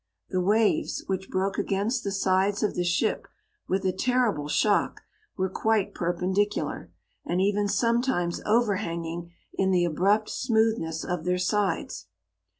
The waves, which broke against the sides of the ship with a terrible shock, were quite perpendicular, and even sometimes overhanging in the abrupt smoothness of their sides.